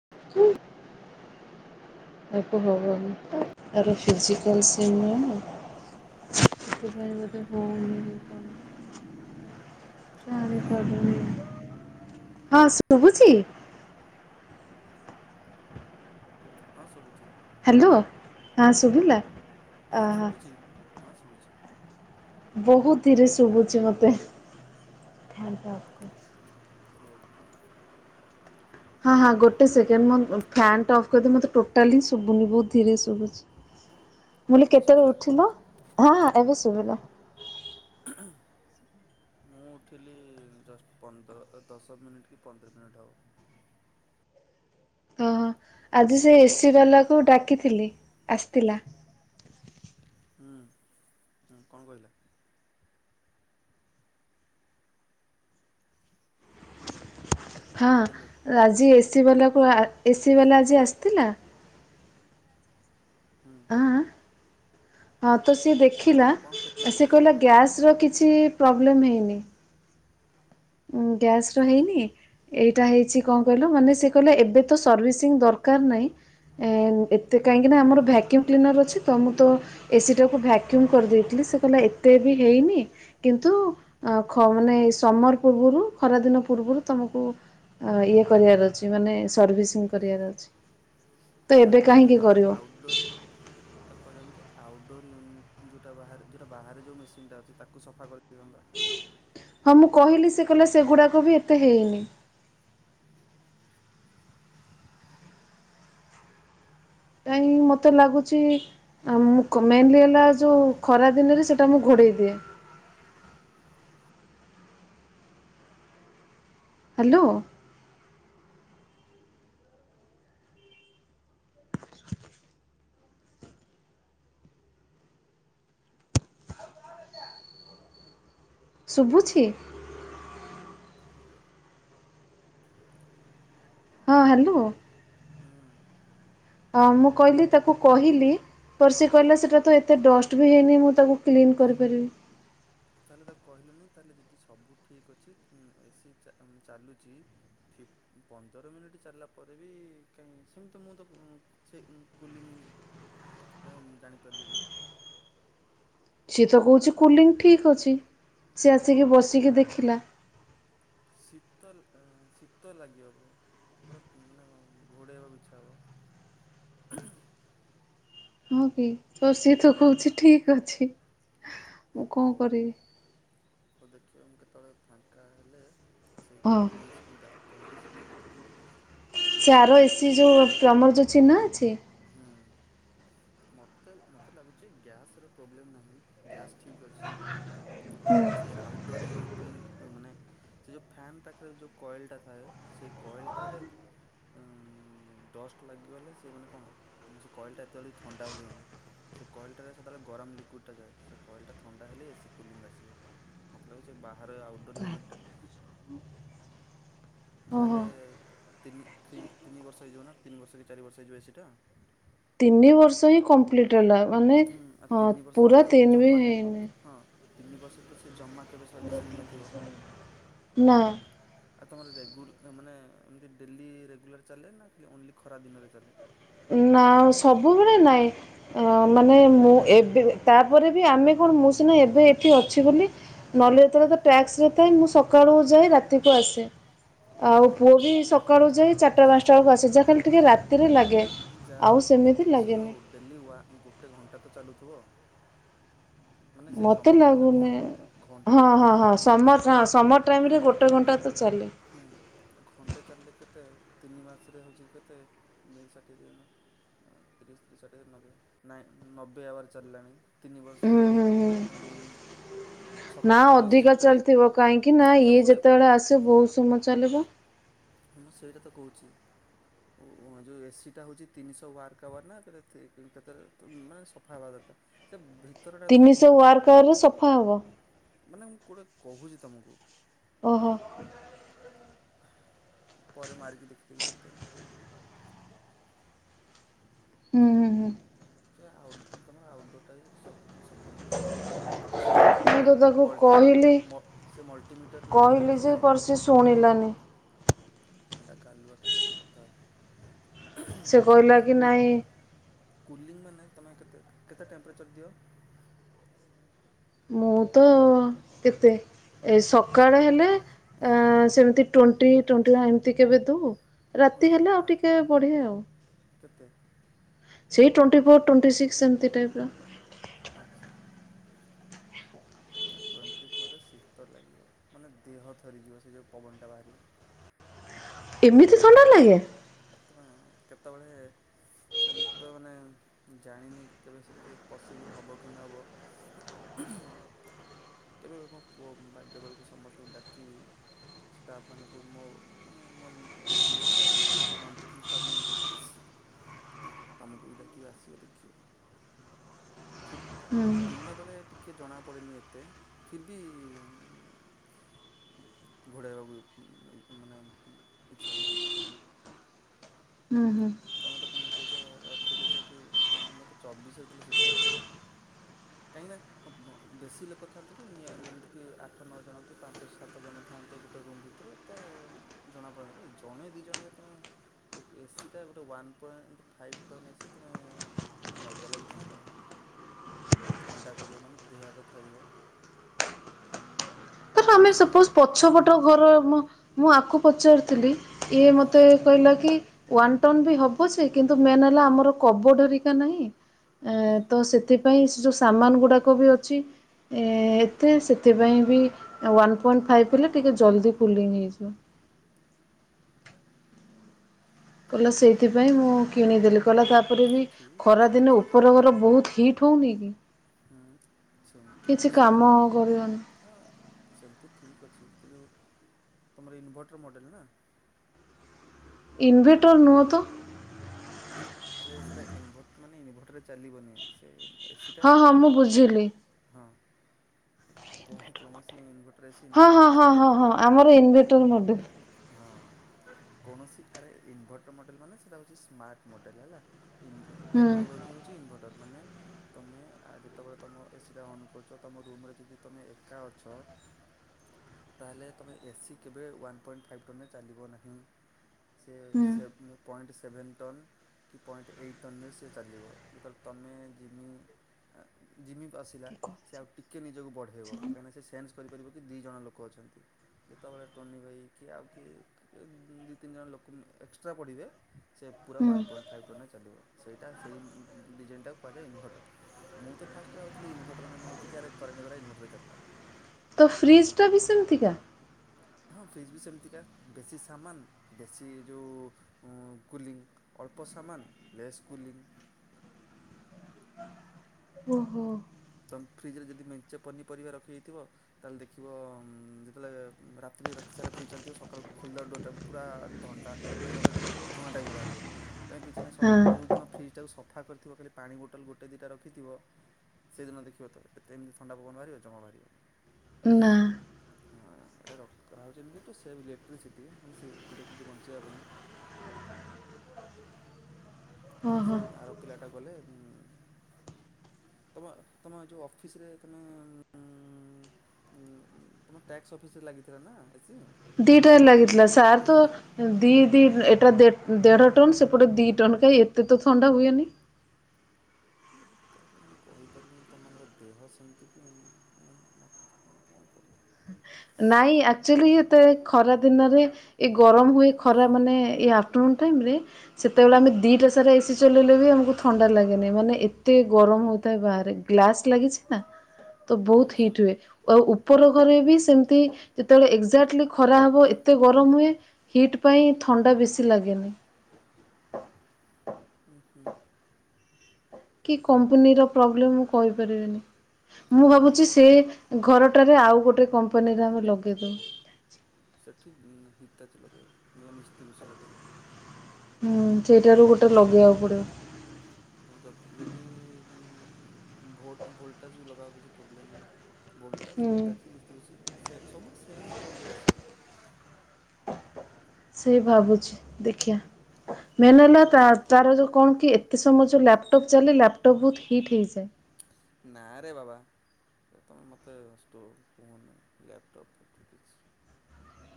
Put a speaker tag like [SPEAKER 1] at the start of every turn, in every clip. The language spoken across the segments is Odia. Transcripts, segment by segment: [SPEAKER 1] [unintelligible] ଆ ହବନି ଆ ଫିଜିକଲ
[SPEAKER 2] ହ୍ୟାଲୋ
[SPEAKER 1] [unintelligible] [unintelligible] ହଁ ଶୁଭୁଛି।
[SPEAKER 2] ହଁ ସୁଭୁଛି।
[SPEAKER 1] ହାଲୋ ହଁ ସୁଭୀଲା।
[SPEAKER 2] ହୁଁ ଶୁଭୁଛି ହଁ ଶୁଭୁଛି।
[SPEAKER 1] ବହୁତ ଧିରେ ଶୁଭୁଛି ମତେ।
[SPEAKER 2] ରୁଅ।
[SPEAKER 1] ହଁ ହଁ ଗୋଟେ ସେକେଣ୍ଡ ମୁଁ ଫ୍ୟାନ ଟା ଅଫ୍ କରିଦି ମତେ ଟୋଟାଲି ହି ଶୁଭୁନି ବହୁତ ଧୀରେ ଶୁଭୁଛି। ମୁଁ କହିଲି
[SPEAKER 2] ଏବେ
[SPEAKER 1] କେତେବେଳେ
[SPEAKER 2] ଶୁଭିଲା
[SPEAKER 1] ଉଠିଲ ହଁ ହଁ ଏବେ ଶୁଭିଲା।
[SPEAKER 2] ହ ମୁଁ ଉଠିଲି ଜଷ୍ଟ ପନ୍ଦର ଦଶ ମିନିଟ୍ କି ପନ୍ଦର ମିନିଟ୍ ହବ।
[SPEAKER 1] ଓହୋ ଆଜି ସେ ଏସି ବାଲାକୁ ଡାକିଥିଲି ଆସିଥିଲା।
[SPEAKER 2] ହୁଁ ହୁଁ କଣ କହିଲା? ହ୍ୟାଲୋ
[SPEAKER 1] ହାଁ ଆଜି ଏସି ବାଲାକୁ
[SPEAKER 2] କିଏ
[SPEAKER 1] ଏସିି ବାଲା
[SPEAKER 2] ଆସିଗଲା
[SPEAKER 1] ଆଜି ଆସିଥିଲା।
[SPEAKER 2] ହୁଁ।
[SPEAKER 1] ଆଁ ହଁ ତ ସିଏ ଦେଖିଲା
[SPEAKER 2] କଣ ସେ
[SPEAKER 1] ସିଏ କହିଲା
[SPEAKER 2] ଆସିଗଲା
[SPEAKER 1] ଗ୍ୟାସ ର କିଛି
[SPEAKER 2] ହୁଁ
[SPEAKER 1] ପ୍ରୋବ୍ଲେମ୍ ହେଇନି। ଉଁ ଗ୍ୟାସ ର
[SPEAKER 2] ଆଚ୍ଛା
[SPEAKER 1] ହେଇନି। ଏଇଟା ହେଇଛି କଁ କହିଲ ମାନେ ସେ କହିଲା ଏବେ ତ ସର୍ଭିସିଂ ଦରକାର ନାହିଁ ଏଁ ତ କାହିଁକିନା ଆମର
[SPEAKER 2] ହୁଁ
[SPEAKER 1] ଭାକ୍ୟୁମ୍ କ୍ଲିନର ଅଛି। ତ ମୁଁ ତ ଏସି ଟାକୁ ଭ୍ୟାକ୍ୟୁମ କରିଦେଇଥିଲି ସେ କହିଲା ଏତେ ବି ହେଇନି କିନ୍ତୁ। ଅ ଖ
[SPEAKER 2] ହୁଁ
[SPEAKER 1] ମାନେ ଏଇ ସମର ପୂର୍ବରୁ ଖରାଦିନ ପୂର୍ବରୁ ତମକୁ। ଆ ଇଏ କରିବାର ଅଛି ମାନେ ସର୍ଭିସିଂ କରିବାର ଅଛି। ତ
[SPEAKER 2] ତାକୁ
[SPEAKER 1] ଏବେ କାହିଁକି
[SPEAKER 2] କହିଲନି କି
[SPEAKER 1] କରିବ
[SPEAKER 2] ଆଉଟ୍ଡୋର୍। ତାକୁ କହିଲନି କି ଆଉଟ ଡୋର୍ ୟୁନିଟ୍ ଯୋଉଟା ବାହାରେ ଯୋଉଟା ବାହାରେ ଯୋଉ ମେସିନ୍ଟା ଅଛି ତାକୁ ସଫା କରିଦେଇଥାନ୍ତା।
[SPEAKER 1] ହଁ ମୁଁ କହିଲି ସେ କହିଲା ସେଗୁଡାକ ବି ଏତେ ହେଇନି। କାଇଁ କି ମୋତେ ଲାଗୁଛି ଆଁ ମୁଁ କ ମେନ୍ଲି ହେଲା ଯୋଉ
[SPEAKER 2] ହ୍ୟାଲୋ
[SPEAKER 1] ଖରା ଦି ଦିନରେ ସେଇଟା ମୁଁ ଘୋଡେଇ ଦିଏ। ହାଲୋ। ଶୁଭୁଛି। ହଁ ହ୍ୟାଲୋ।
[SPEAKER 2] ହୁଁ।
[SPEAKER 1] ଅ ମୁଁ କହିଲି ତାକୁ କହିଲି ତ ସେ
[SPEAKER 2] ହୁଁ
[SPEAKER 1] କହିଲା ସେଇଟା ତ ଏ ଏତେ ଷ୍ଟ ବି ହେଇନି ମୁଁ ତାକୁ କ୍ଲିନ୍ କରିପାରିବି।
[SPEAKER 2] ତାହେଲେ ତାକୁ କହିଲନି ତାହେଲେ ଯଦି ସବୁ ଠିକ୍ ଅଛି ଉଁ ଏସି ଚା ଉଁ ଚାଲୁଛି। ଠିକ୍ ପନ୍ଦର ମିନିଟ୍ ଚାଲିଲା ପରେ ବି କାହିଁ ସେମତି ତ ମୁଁ ତ ଉଁ ସେଇ ଉଁ କୁଲିଙ୍ଗ୍ କାହିଁ ମୁଁ ଜାଣିପାରିଲିନି।
[SPEAKER 1] ସିଏ ତ କହୁଛି କୁଲିଙ୍ଗ୍ ଠିକ୍ ଅଛି ସିଏ ଆସିକି
[SPEAKER 2] କେଉଁଠି ଠିକ୍
[SPEAKER 1] ବସିକି ଦେଖିଲା।
[SPEAKER 2] ଶୀତ ଲ ଅଁ ଶୀତ ଲାଗିହବ ପୁରା ମାନେ ଘୋଡ଼େଇ ହବାକୁ ଇଛା ହବ।
[SPEAKER 1] ହଁ କି ତ ସିଏ ତ କହୁଛି ଠିକ ଅଛି।
[SPEAKER 2] ଅ
[SPEAKER 1] ମୁଁ କଣ
[SPEAKER 2] ହଉ
[SPEAKER 1] କରିବି
[SPEAKER 2] ହଉ ଦେଖିବା ମୁଁ କେତେବେଳେ ଫାଙ୍କା ହେଲେ। ସେଇ
[SPEAKER 1] ହଁ
[SPEAKER 2] ପ୍ରିନ୍ସକୁ ଡାକ୍ କହିବି ସେ ଯାଇଁକି ଦେଖିଦେଇକି ଆସିବ।
[SPEAKER 1] ଚାର ଏସିି ଯୋଉ ତମର ଯୋଉ ଚିହ୍ନା ଅଛି।
[SPEAKER 2] ହୁଁ। ମତେ ମତେ ଲାଗୁଛି ଗ୍ୟାସ୍ ର ପ୍ରୋବ୍ଲେମ୍ ନାହିଁ ଗ୍ୟାସ୍ ଠିକ୍ ଅଛି। ସେ ଆଉଟ୍ ଡୋର ୟୁନିଟ୍। କ୍ଲି ମାନେ ସେ ଯୋଉ ଫ୍ୟାନ୍ ପାଖରେ ଯୋଉ କଏଲଟା ଥାଏ ସେ କଏଲ୍ଟାରେ। ଉଁ ଡଷ୍ଟ ଲାଗିଗଲେ ସେ ମାନେ କଣ ସେ କଏଲଟା ଏତେ ଜଲଦି ଥଣ୍ଡା ହୁଏନି। ସେ କଏଲଟାରେ ସେତେବେଳେ ଗରମ ଲିକୁଇଡ୍ ଯାଏ ସେ କଏଲଟା ଥଣ୍ଡା ହେଲେ ଏ ସି କୁଲିଙ୍ଗ୍ ଆସିବ। ମତଲାଗୁଛି ବାହାର ଆଉଟଡୋର୍ ୟୁନିଟ୍ ଟା ଯା ହେଲେ
[SPEAKER 1] ଓହୋ
[SPEAKER 2] ତିନି ଥ୍ରି ତିନିବର୍ଷ ହେଇଯିବ ନା ତିନି ବର୍ଷ କି ଚାରି ବର୍ଷ ହେଇଯିବ ଏ ସେ ଟା।
[SPEAKER 1] ତିନି ବର୍ଷ ହିଁ କମ୍ପ୍ଲିଟ ହେଲା ମାନେ
[SPEAKER 2] ହୁଁ ଆଉ
[SPEAKER 1] ହଁ
[SPEAKER 2] ତିନି ବର୍ଷ ହେଲେ
[SPEAKER 1] ପୁରା
[SPEAKER 2] ତ
[SPEAKER 1] ତିନ ବି
[SPEAKER 2] ଜମା
[SPEAKER 1] ହେଇନି।
[SPEAKER 2] ହଁ ତିନି ବର୍ଷ ତ ସେ ଜମା କେବେ ସର୍ଭିସ୍ ନେଇନଥିବ।
[SPEAKER 1] ନା
[SPEAKER 2] ଆଉ ତମର ରେଗୁ ଆ ମାନେ ଏମିତି ଡେଲି ରେଗୁଲାର ଚାଲେ ନା ଓନ୍ଲି ଖରା ଦିନରେ ଚାଲେ?
[SPEAKER 1] ନା ସବୁବେଳେ ନାହିଁ ଆ ମାନେ ମୁଁ ଏବେ ତାପରେ ବି ଆମେ କଣ ମୁ ସିନା ଏବେ ଏଠି ଅଛି ବୋଲି ନହେଲେ ଯେତେବେଳେ ତ ଟ୍ୟାକ୍ସରେ ଥାଏ ମୁଁ ସ କାଳୁ ଯାଇ ରାତିକୁ ଆସେ
[SPEAKER 2] ହୁଁ
[SPEAKER 1] ଆଉ
[SPEAKER 2] ହୁଁ।
[SPEAKER 1] ପୁଅ ବି ସକାଳୁ ଯାଇ ଚାରିଟା ପାଞ୍ଚଟା ବେଳକୁ ଆସେ ଯାହା ଖାଲି ଟିକେ ରାତିରେ ଲାଗେ।
[SPEAKER 2] ଯା
[SPEAKER 1] ଆଉ ସେମିତି
[SPEAKER 2] କିଛି ନ
[SPEAKER 1] ଲାଗେନି
[SPEAKER 2] ହେଉ ଡେଲି ୱା ଗୋଟେ ଘଣ୍ଟା ତ ଚାଲୁଥିବ। ମାନେ ସେଇ
[SPEAKER 1] ମତେ
[SPEAKER 2] ସମର ଟାଇମରେ ଘ
[SPEAKER 1] ଲାଗୁନି
[SPEAKER 2] ଘଣ୍ଟେ
[SPEAKER 1] ହଁ ହଁ
[SPEAKER 2] ରାତିରେ ତ
[SPEAKER 1] ହଁ
[SPEAKER 2] ଘଣ୍ଟ
[SPEAKER 1] ସମର ହଁ ସମର ଟାଇମ୍
[SPEAKER 2] ହଁ।
[SPEAKER 1] ରେ ଗୋଟେ ଘଣ୍ଟା ତ ଚାଲି
[SPEAKER 2] ହୁଁ ଘଣ୍ଟେ ଚାଲିଲେ କେତେ ତିନି ମାସରେ ହେଉଛି କେତେ ଦୁଇ ଷାଠିଏ ଦିନ ତିରିଶ୍ ତ୍ରି ଷାଠିଏ ନବେ ନାଇ ନବେ ଆବାର ଚାଲିଲାଣି ତିନି ବର୍ଷ
[SPEAKER 1] ହୁଁ ହୁଁ
[SPEAKER 2] ରେଵ
[SPEAKER 1] ହୁଁ
[SPEAKER 2] ଏନ୍
[SPEAKER 1] ନା ଅଧିକା ଚାଲିଥିବ କାହିଁକି ନା
[SPEAKER 2] ମାନେ
[SPEAKER 1] ଇଏ
[SPEAKER 2] ମୁଁ ଗୋଟେ
[SPEAKER 1] ଯେତେବେଳେ ଆସେ ବହୁତ ସମୟ ଚାଲିବ।
[SPEAKER 2] ହଁମୁଁ ସେଇଟା ତ କହୁଛି। ଉଁ ଉଁ ଯ ଏ ସି ଟା ହେଉଛି ତିନିଶହ ୱାର୍କାୱାର୍ ନା ତେବେ ତିନ୍ କେତେ ଉମାନେ ସଫା ହେବା ଦରକାର୍ ସେ ଭିତରଟା ତମେ
[SPEAKER 1] ତିନିଶହ
[SPEAKER 2] ଠିକ୍ ଅଛି।
[SPEAKER 1] ୱାର୍କ ଆୱାରରେ ସଫା ହବ
[SPEAKER 2] ମାନେ ମୁଁ କୋଁଟେ କହୁଛି ତମକୁ।
[SPEAKER 1] ଓହୋ।
[SPEAKER 2] ପରେ ମାରିକି ଦେଖିଥିବି କେତେ?
[SPEAKER 1] ହୁଁ ହୁଁ ହୁଁ।
[SPEAKER 2] ଏ ଆଉଟ ତମର ଆଉଟ୍ ଡୋର୍ ଟା ବି ସ ସଫା ନଥିବ। ସେମି ଯଉ
[SPEAKER 1] ମୁଁ ତ ତାକୁ
[SPEAKER 2] ମଲଟ୍
[SPEAKER 1] କହିଲି
[SPEAKER 2] ମ ସେ ମଲ୍ଟିମିଟର ଲଗେଇକି ଦେଖିଲା?
[SPEAKER 1] ଶୁଣିିଲାନି।
[SPEAKER 2] ଆଟା ଗାଲୁଆଟା ତାହଲେ
[SPEAKER 1] ସେ କହିଲା
[SPEAKER 2] କାନ
[SPEAKER 1] କି
[SPEAKER 2] କୁଲ୍
[SPEAKER 1] ନାଇଁ
[SPEAKER 2] କୁଲିଙ୍ଗ ମାନେ ତମେ କେତେ କେତେ ଟେମ୍ପରେଚର୍ ଦିଅ?
[SPEAKER 1] ମୁଁ ତ କେତେ? ଏ ସକାଳ ହେଲେ ଏଁ ସେମିତି ଟ୍ୱେଣ୍ଟି ଟ୍ୱେଣ୍ଟିଆ ଏମିତି କେବେ ଦେଉ।
[SPEAKER 2] ହଁ
[SPEAKER 1] ରାତି ହେଲେ ଆଉ
[SPEAKER 2] ଆର୍
[SPEAKER 1] ଟିକେ ବଢ଼େ ଆଉ।
[SPEAKER 2] କେତେ
[SPEAKER 1] ସେଇ ଟ୍ୱେଣ୍ଟି ଫୋର୍ ଟ୍ୱେଣ୍ଟି ସିକ୍ସ ଏମିତି ଟାଇପ୍ର
[SPEAKER 2] ଆଚ୍ଛା! ନା ଟ୍ୱେଣ୍ଟି ଫୋରରେ ଶୀତ ଲାଗିବ ମାନେ ଦେହ ଥରିଯିବ ସେ ଯେଉଁ ପବନଟା ବାହାରିବ।
[SPEAKER 1] ଏମିତି ଥଣ୍ଡା ଲାଗେ?
[SPEAKER 2] ଆଉ ତମେ କେତେବେଳେ ସେମିତି ତ ମାନେ ଜାଣିନି କେବେ ସେମିତି ପସିବୁଲ୍ ହେବ କି ନହବ? [inaudible] କେବେ ମୋ ପୁଅ ବାର୍ଡ଼େ ବେଳକୁ ସମସ୍ତଙ୍କୁ ଡାକିବି। ଷ୍ଟାଫମାନଙ୍କୁ ମୋ ମାନେ ମୋ ଯେଉଁ ଇଏ ଷ୍ଟାଫ୍ ମାନଙ୍କୁ ନନ୍ ଟିଚିଂ ଷ୍ଟାଫମାନଙ୍କୁ
[SPEAKER 1] [inaudible]
[SPEAKER 2] ତମକୁ ବି ଡାକିବ ଆସିବ ଦେଖିବ? ଫ ଦିନବେଳେ ଟିକିଏ ଜଣାପଡ଼େନି ଏତେ ଫିର୍ ବି ଘୋଡ଼ାଇବାକୁ ମ ମାନେ ଇଚ୍ଛା ହୁଏ।
[SPEAKER 1] ହୁଁ ହୁଁ।
[SPEAKER 2] ତମେ ତ ପୁଣି କହୁଛ ରାତିରେ କହୁଛ କି କମ ମୋତେ ଚବିଶରେ ଦେଲେ ଶୀତ ଲାଗିବ। କାହିଁକି ନା ବେଶୀ ଲୋକ ଥାନ୍ତି କି ନିଆ ଯେମିତିକି ଆଠ ନଅ ଜଣ କି ପାଞ୍ଚ ସା ସାତ ଜଣ ଥାଆନ୍ତେ ଗୋଟେ ରୁମ୍ ଭିତରେ ତ ଜଣାପଡେନି ଜଣେ ଦୁଇ ଜଣେ ତମେ ଏସି ସେ ଗୋଟେ one point five ton AC ତୁମେ ମଜା ଲାଗିଛି ନା କଣ? ସେ ଥଣ୍ଡା କରିବ ମାନେ ଦେହ ହାତ ଥରିବ।
[SPEAKER 1] [inaudible] ତ ଆମେ
[SPEAKER 2] ଦଶ
[SPEAKER 1] ସପୋଜ
[SPEAKER 2] ମିନିଟ୍
[SPEAKER 1] ପଛପଟ ଘର ମୁଁ ଆକୁ ପଚାରିଥିଲି ଇଏ
[SPEAKER 2] ହୁଁ
[SPEAKER 1] ମତେ କହିଲା କି ୱାନ ଟନ୍ ବି ହବ ସେ କିନ୍ତୁ ମେନ ହେଲା ଆମର କବଡ ହେରିକା ନାହିଁ। ଏ
[SPEAKER 2] ହୁଁ
[SPEAKER 1] ତ ସେଥିପାଇଁ ସେ ଯେଉଁ ସାମାନ ଗୁଡ଼ାକ ବି ଅଛି
[SPEAKER 2] ହୁଁ
[SPEAKER 1] ଏ ସେଥିପାଇଁ ବି ୱାନ୍ ପଏଣ୍ଟ ଫାଇଭ୍ ହେଲେ ଟିକେ ଜଲ୍ଦି କୁଲିଙ୍ଗ ହେଇଯାଏ। କହିଲ ସେଇଥିପାଇଁ ମୁଁ କିଣିଦେଲି କହିଲା ତାପରେ
[SPEAKER 2] ହଁ
[SPEAKER 1] ବି
[SPEAKER 2] ଠିକ୍ ଅଛି କିଛି
[SPEAKER 1] ଖରାଦିନେ
[SPEAKER 2] ଅସୁ
[SPEAKER 1] ଉପର ଘର ବହୁତ ହିଟ୍ ଠଉନି କି?
[SPEAKER 2] ହୁଁ, ସେମତି
[SPEAKER 1] କିଛି
[SPEAKER 2] ଶୁଣ
[SPEAKER 1] କାମ କରିବନି
[SPEAKER 2] ସେମିତି ଠିକ୍ ଅଛି କିନ୍ତୁ ତୁମର ଇନଭର୍ଟର ମଡ଼େଲ ନା?
[SPEAKER 1] ଇନଭେଟର ନୁହ ତ।
[SPEAKER 2] ଆରେ ସେଇଟା ଇନଭ ମାନେ ଇନଭଟରରେ ଚାଲିବନି ସେ ଏସିଟା
[SPEAKER 1] ହଁ ହଁ
[SPEAKER 2] ମ
[SPEAKER 1] ମୁଁ ବୁଝିଲି।
[SPEAKER 2] ହଁ କୌକୌଣସି ଇନଭ
[SPEAKER 1] ହଁ, ହଁ, ହଁ, ହଁ, ହଁ ଆମର ଇନଭେଟର ମଡେଲ।
[SPEAKER 2] ହଁ କୌଣସି ଆରେ ଇନଭର୍ଟର୍ ମଡ଼େଲ୍ ମାନେ ସେଇଟା ହେଉଛି ସ୍ମାର୍ଟ ମଡ଼େଲ୍ ହେଲା। ଇ
[SPEAKER 1] ହୁଁ
[SPEAKER 2] ଟେକ୍ନୋଲୋଜି ହେଉଛି ଇନଭର୍ଟର୍ ମାନେ ତୁମେ ଯେତେବେଳେ ତୁମ ଏସିଟା ଅନ କରୁଛ ତମ ରୁମରେ ଯଦି ତୁମେ ଏକା ଅଛ ତାହେଲେ ତୁମେ ଏସିି କେବେ ୱାନ୍ ପଏଣ୍ଟ ଫାଇଭ୍ ଟନରେ ଚାଲିବ ନାହିଁ। ସେ
[SPEAKER 1] ହୁଁ।
[SPEAKER 2] ସେ ପଏଣ୍ଟ ସେଭେନ୍ ଟନ୍ କି ପଏଣ୍ଟ ଏଇଟ୍ ଟନ ସେ ଚାଲିବ ଯେତେବେଳେ ତମେ ଯିମି ଜିମି ଆସିଲା ସେ ଆଉ ଟିକେ ନିଜକୁ ବଢ଼େଇବ କାହିଁକିନା ସେନ୍ସ କରିପାରିବ କି ଦୁଇ ଜଣ ଲୋକ ଅଛନ୍ତି। ଯେତେବେଳେ ଟୋନି ଭାଇ କିଏ ଆଉ କିଏ ଦି ତିନି ଜଣ ଲୋକ ଏକ୍ସଟ୍ରା ପଡ଼ିବେ ସେ ପୁରା
[SPEAKER 1] ହୁଁ।
[SPEAKER 2] ୱାନ୍ ପଏଣ୍ଟ ଫାଇଭ୍ ଫୋନ ଚାଲିବ ସେଇଟା ସେଇ ଡିଜାଇନି ଟାକୁ କୁହାଯାଏ ଇନଭର୍ଟର। ମୁଁ ତ ଫାଷ୍ଟ ଭାବୁଥିଲି ଇନଭର୍ଟର ମାନ ହେଉଛି କରେଣ୍ଟ ଗଲା ଇନଭର୍ଟର ଚାଲିଲା।
[SPEAKER 1] ତ ଫ୍ରିଜଟା ବି ସେମିତିକା?
[SPEAKER 2] ହଁ, ଫ୍ରିଜ୍ ବି ସେମିତିକା ବେଶୀ ସାମାନ ବେଶୀ ଯଉ କୁଲିଂ ଅଳ୍ପ ସମାନ ଲେସ୍ କୁଲିଙ୍ଗି।
[SPEAKER 1] ଓହୋ।
[SPEAKER 2] ତମେ ଫ୍ରିଜରେ ଯଦି ମେଞ୍ଚେ ପନିପରିବା ରଖିଦେଇଥିବ ତାହେଲେ ଦେଖିବ ଯେତେବେଳେ ରାତି ରାତି ସାରା ଫ୍ରିଜି ଚାଲିଥିବ ସକାଳୁ ଖୋଲିଦେବା ଡୋରଟାକୁ ପୁରା ଥଣ୍ଡା। ମାନେ ଗୋଟେ ଧୂଆଁ ଟାଇପ୍ ର ବାହାରିବ। ତ କିଛି ନାହିଁ
[SPEAKER 1] ହଁ
[SPEAKER 2] ସବ ଯେଉଁ ଦିନ ଫ୍ରିଜି ଟାକୁ ସଫା କରିଥିବ ଖାଲି ପାଣି ବୋତଲ ଗୋଟେ ଦିଟା ରଖିଥିବ। ସେହିଦିନ ଦେଖିବ ତ ଏତେ ଏମିତି ଥଣ୍ଡା ପବନ ବାହାରିବ ଜମା ବାହାରିବନି।
[SPEAKER 1] ନା।
[SPEAKER 2] ହଁ ଏଇଟା ର କରା ହଉଛି ଏମିତି ସେ ଇଲେକ୍ଟ୍ରିସିଟି ମାନେ ସେ ଇଲେକ୍ଟ୍ରିସିଟି ବଞ୍ଚିବା ପାଇଁ।
[SPEAKER 1] ଓହୋ।
[SPEAKER 2] ସେଇ ଆର ପିଲାଟା ଗଲେ ଉ ତମ ତମ ଯଉ ଅଫିସରେ ତମେ ଉ। ତୁମ ଟ୍ୟାକ୍ସ ଅଫିସ୍ରରେ ଲାଗିଥିଲା ନା ଏସି।
[SPEAKER 1] ଦିଟାର ଲାଗିତଥିଲା ସାର୍ ତ
[SPEAKER 2] ହଁ
[SPEAKER 1] ଦିଇ ଦିଇ ଏଟା ଦେ ଦେଢ଼ ଟନ ସେପଟେ ଦୁଇ ଟନ କାହିଁ ଏତେ ତ ଥଣ୍ଡା ହୁଏନି।
[SPEAKER 2] ତାହେଲେ ମୁଁ କହିପାରିବିନି ତମମାନଙ୍କ ଦେହ ସେମିତି କି ମାନେ ମତେ। [inaudible]
[SPEAKER 1] ନାଇଁ ଆକ୍ଚୁଆଲି ଏତେ ଖରା ଦିନରେ ଏ ଗରମ ହୁଏ ଖରା ମାନେ ଏଇ ଆଫ୍ଟରନୁନ ଟାଇମ ରେ ସେତେବେଳେ ଆମେ ଦିଟା ସାର ଏସି ଚଲେଇଲେ ବି ଆମକୁ ଥଣ୍ଡା ଲାଗେନି ମାନେ ଏତେ ଗରମ ହେଥାଏ ବାହାରେ ଗ୍ଲାସ୍ ଲାଗିଛି ନା [inaudible] ତ ବହୁତ
[SPEAKER 2] ଆଚ୍ଛା ହୁଁ
[SPEAKER 1] ହିଟ୍ ହୁଏ ଆଉ ଉପର ଘରେ ବି ସେମିତି ଯେତେବେଳେ ଏକ୍ଜାକ୍ଟଲି ଖରା ହବ। ଏତେ ଗରମ ହୁଏ ହିଟ୍ ପାଇଁ ଥଣ୍ଡା ବେଶୀ ଲାଗେନି।
[SPEAKER 2] [inaudible]
[SPEAKER 1] କି କମ୍ପାନୀର ପ୍ରୋବ୍ଲେମ୍ ମୁ କହିପାରିବିନି ମୁଁ
[SPEAKER 2] ଆମ
[SPEAKER 1] ଭାବୁଛି ସେ
[SPEAKER 2] କମ୍ପ
[SPEAKER 1] ଘରଟାରେ ଆଉ ଗୋଟେ କମ୍ପାନୀରେ ଆମେ ଲଗାଇଦଉ।
[SPEAKER 2] ସେଠି ହିତାଜୀ ଲଗାଇବ ନହେଲେ ମିସ୍ତତି ବୁଛି ଲଗାଇବ।
[SPEAKER 1] ହୁଁ ସେଇଟାରୁ ଗୋଟେ ଲଗେଇବାକୁ ପଡିବ।
[SPEAKER 2] ଯଦି ଭୋଲ୍ଟେଜ୍ ବି ଲଗାବା କିଛି ପ୍ରୋବ୍ଲେମ୍ ନାହିଁ। ବୋଲ୍ଟା
[SPEAKER 1] ହୁଁ।
[SPEAKER 2] ସିତା ଅଛି ମିସ୍ମସି ସେମ୍ ସବୁଠୁ ସେମ୍ ରେଞ୍ରେ ଆସିବ।
[SPEAKER 1] ସେ ଭାବୁଛି ଦେଖିିବା ମେନ୍ ହେଲା ତାର ଯୋଉ କଣ କି ଏତେ ସମ ଉଁ ଲ୍ୟାପଟପ୍ ଚାଲିଲେ ଲ୍ୟାପଟପ୍ ବହୁତ ହିଟ୍ ହେଇାଯାଏ।
[SPEAKER 2] ନାଁ ରେ ବାବା ତମେ ମୋତେ ଷ୍ଟୋଭ କୁହନି ଲ୍ୟାପଟପ୍ କିଛି।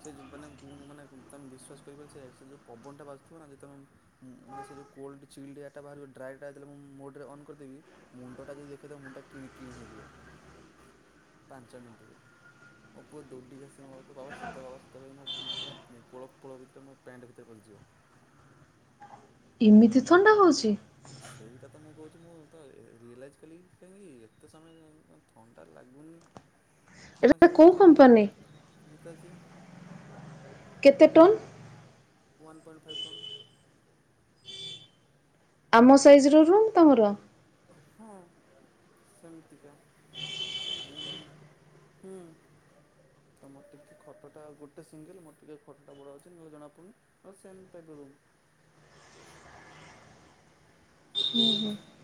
[SPEAKER 2] ସେ ମାନେ ମୁଁ ମାନେ ତମେ ବିଶ୍ୱାସ କରି ପାରୁଛ ସେ ଯୋଉ ପବନଟା ବାଜୁଥିବ ନା ତମେ ମାନେ ସେ ଯଉ କୋଲ୍ ଚିଲ୍ଡ ଏଟା ବାହାରିବ ଡ୍ରାଟା ହେେ ମୁଁ ମୋଡ଼ରେ ଅନ୍ କରିଦେବି। ମୁଣ୍ଡଟା ଯଦି ଦେଖଦବ ମୁଣ୍ଡା କି କିଣି ହେଇଯିବ। ପାଞ୍ଚ ମିନିଟି ରେ ମୋ ପୁଅ ଦୌଡ଼ିକି ଆସି ମୋ ବାବା ଶୀତ। ସିତ କଲା ସେତବେଳେ ମୋ କୋଳ ଫୋଳ ଭିତରେ ମୋ ପ୍ୟାଣ୍ଟ୍ ଭିତରେ ପଶିଯିବ।
[SPEAKER 1] ଏମିତି ଥଣ୍ଡା ହଉଛି।
[SPEAKER 2] ସେଇଟା ତ ମୁଁ କହୁଛି ମୁଁ ତ ରିଏଲାଇଜ୍ କଲିିକି କାହିଁକି ଏତେ ସମୟ କାଇଁ ଥଣ୍ଡା ଲାଗୁନି।
[SPEAKER 1] [inaudible]
[SPEAKER 2] ପନ୍ ଅସି
[SPEAKER 1] କୋଉ କମ୍ପାନୀ
[SPEAKER 2] ପପ୍ ନତା ଯେ
[SPEAKER 1] କେତେ ଟନ।
[SPEAKER 2] ୱାନ ପଏଣ୍ଟ ଫାଇଭ୍ କ।
[SPEAKER 1] ଆମ ସାଇଜ୍ ରୁମ୍ ତୁମର।
[SPEAKER 2] ହଁ ସେମିତିକା ହୁଁ, ହୁଁ। ତ ମୋର ଟିକେ ଖଟା ଗୋଟେ ସିଙ୍ଗଲ ମୋରିକେ ଖଟା ବଡ଼ ଅଛି ନହେଲେ ଜଣାପଡ଼ନି। ହଁ ସେମ୍ ଟାଇପର ରୁମ୍
[SPEAKER 1] [inaudible]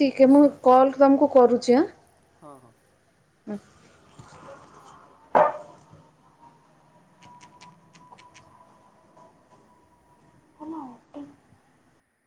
[SPEAKER 1] ଠିକ୍ ହେ ମୁଁ
[SPEAKER 2] ଆଚ୍ଛା
[SPEAKER 1] କଲ୍ ତୁମକୁ କରୁଛି ଆ।
[SPEAKER 2] ହଁ, ହଁ।
[SPEAKER 1] [inaudible]